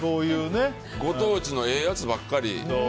ご当地のええやつばっかり。